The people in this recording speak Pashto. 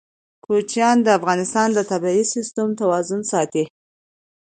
کوچیان د افغانستان د طبعي سیسټم توازن ساتي.